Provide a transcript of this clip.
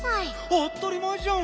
あったりまえじゃん。